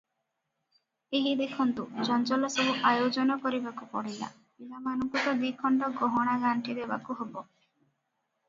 ଏହି ଦେଖନ୍ତୁ, ଚଞ୍ଚଳ ସବୁ ଆୟୋଜନ କରିବାକୁ ପଡ଼ିଲା, ପିଲାମାନଙ୍କୁ ତ ଦିଖଣ୍ଡ ଗହଣାଗାଣ୍ଠି ଦେବାକୁ ହେବ ।